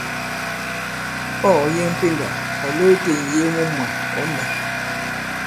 Ɔ̂ ɔ̀ yeŋ pendà ɔ̀ lo itē ì-ŋ̀yee mu mwà, ɔ̌ nɛ̄.